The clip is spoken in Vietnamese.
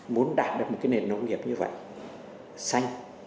muốn đạt được một nền nông nghiệp như vậy xanh xanh